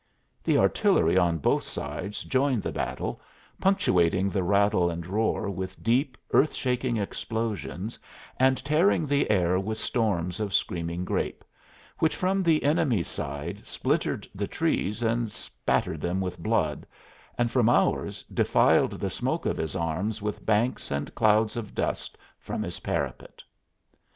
The artillery on both sides joined the battle, punctuating the rattle and roar with deep, earth shaking explosions and tearing the air with storms of screaming grape, which from the enemy's side splintered the trees and spattered them with blood, and from ours defiled the smoke of his arms with banks and clouds of dust from his parapet.